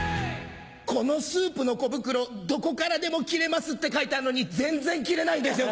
このスープの小袋どこからでも切れますって書いてあるのに全然切れないんですよ